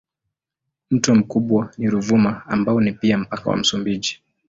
Mto mkubwa ni Ruvuma ambao ni pia mpaka wa Msumbiji.